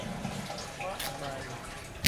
เพราะอะไร